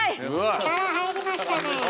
力入りましたね。